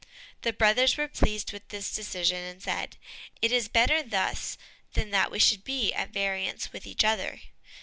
The brothers were pleased with this decision, and said, "It is better thus than that we should be at variance with each other."